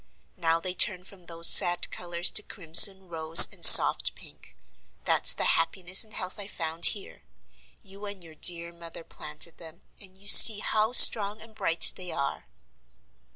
Now they turn from those sad colors to crimson, rose, and soft pink. That's the happiness and health I found here. You and your dear mother planted them, and you see how strong and bright they are."